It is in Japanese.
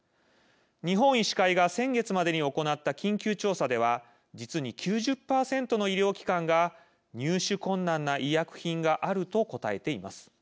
日本医師会が先月までに行った緊急調査では実に９０％の医療機関が入手困難な医薬品があると答えています。